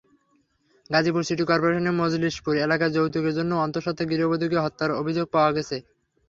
Gazipur city করপোরেশনের মজলিশপুর এলাকায় যৌতুকের জন্য অন্তঃসত্ত্বা গৃহবধূকে হত্যার অভিযোগ পাওয়া গেছে।